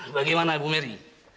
bagaimana bu merry